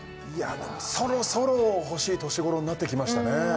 そろそろ欲しい年頃になってきましたね